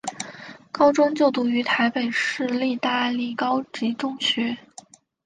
高中就读于台北市立大理高级中学。